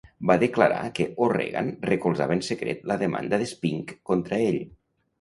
Va declarar que O'Regan recolzava en secret la demanda de Spink contra ell.